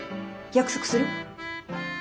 約束する？